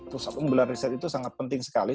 pusat unggulan riset itu sangat penting sekali